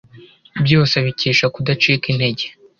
Byose abikesha kudacika intege